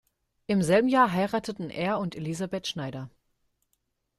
Im selben Jahr heirateten er und Elisabeth Schneider.